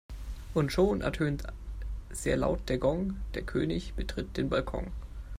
Und schon ertönt sehr laut der Gong, der König betritt den Balkon.